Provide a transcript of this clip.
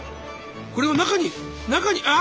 これを中に中にあ⁉